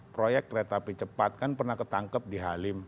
proyek kereta api cepat kan pernah ketangkep di halim